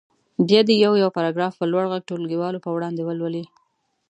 بیا دې یو یو پاراګراف په لوړ غږ ټولګیوالو په وړاندې ولولي.